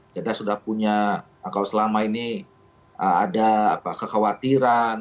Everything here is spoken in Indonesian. kita sudah punya kalau selama ini ada kekhawatiran